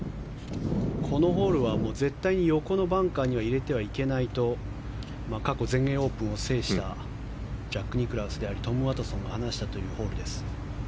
このホールは絶対に横のバンカーには入れてはいけないと過去、全英オープンを制したジャック・ニクラウスでありトム・ワトソンが話したというホールです。